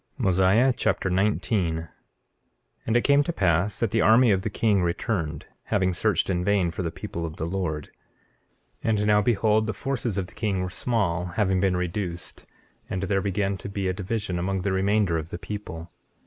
Mosiah Chapter 19 19:1 And it came to pass that the army of the king returned, having searched in vain for the people of the Lord. 19:2 And now behold, the forces of the king were small, having been reduced, and there began to be a division among the remainder of the people.